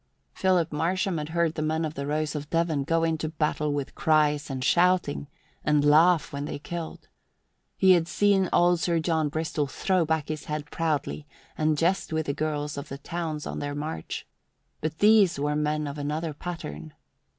Philip Marsham had heard the men of the Rose of Devon go into battle with cries and shouting, and laugh when they killed; he had seen old Sir John Bristol throw back his head proudly and jest with the girls of the towns on their march; but these were men of another pattern.